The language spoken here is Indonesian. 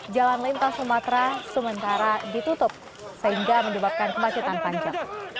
jalan lintas sumatera sementara ditutup sehingga menyebabkan kemacetan panjang